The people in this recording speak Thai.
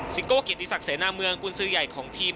ซิงโก้กิจที่ศักดิ์เสนามืองกุญศือใหญ่ของทีม